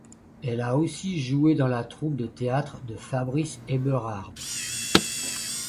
Elle a aussi joué dans la troupe de théâtre de Fabrice Eberhard.